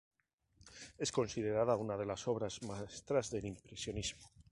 Es considerada una de las obras maestras del impresionismo.